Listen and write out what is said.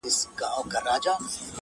شمعي ته به نه وایې چي مه سوځه -